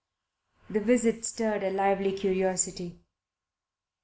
The visit stirred a lively curiosity.